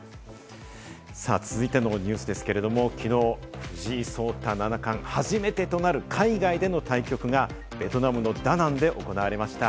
続いてのニュースですけれども、きのう、藤井聡太七冠、初めてとなる海外での対局がベトナムのダナンで行われました。